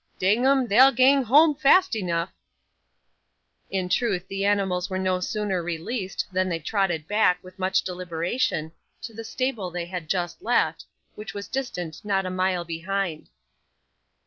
Dang 'em, they'll gang whoam fast eneaf!' In truth, the animals were no sooner released than they trotted back, with much deliberation, to the stable they had just left, which was distant not a mile behind.